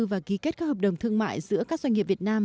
và ký kết các hợp đồng thương mại giữa các doanh nghiệp việt nam